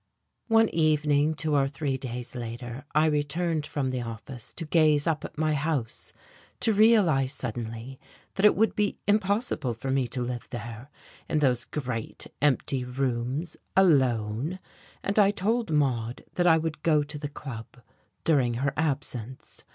One evening two or three days later I returned from the office to gaze up at my house, to realize suddenly that it would be impossible for me to live there, in those great, empty rooms, alone; and I told Maude that I would go to the Club during her absence.